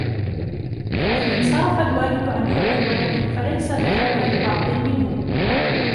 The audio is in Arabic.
فَإِنْ انْصَرَفَ الْوَالِدُ عَنْ حُبِّ الْوَلَدِ فَلَيْسَ ذَلِكَ لِبَعْضٍ مِنْهُ